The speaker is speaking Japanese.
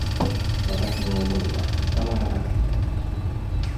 私の思いは伝わらなかった。